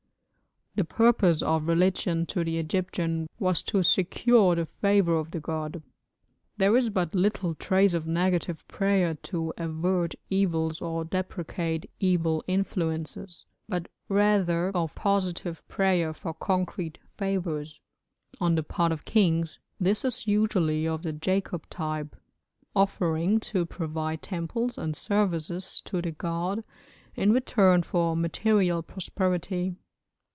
The purpose of religion to the Egyptian was to secure the favour of the god. There is but little trace of negative prayer to avert evils or deprecate evil influences, but rather of positive prayer for concrete favours. On the part of kings this is usually of the Jacob type, offering to provide temples and services to the god in return for material prosperity.